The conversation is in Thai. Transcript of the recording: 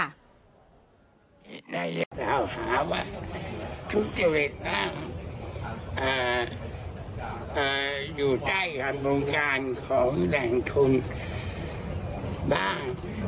นายจะหาว่าทุกเจ้าเหตุบ้างอยู่ใต้กับวงการของแหล่งทุนบ้าง